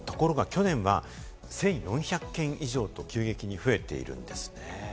ところが去年は１４００件以上と急激に増えているんですね。